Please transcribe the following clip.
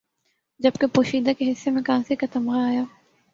جبکہ یوشیدا کے حصے میں کانسی کا تمغہ آیا